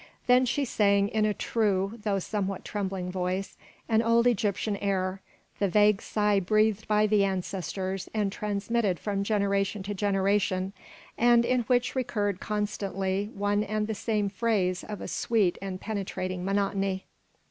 Then she sang in a true, though somewhat trembling voice, an old Egyptian air, the vague sigh breathed by the ancestors and transmitted from generation to generation, and in which recurred constantly one and the same phrase of a sweet and penetrating monotony.